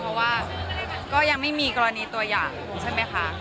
เพราะว่าก็ยังไม่มีกรณีตัวอย่างใช่ไหมคะ